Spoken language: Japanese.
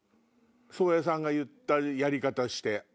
宗谷さんが言ったやり方して。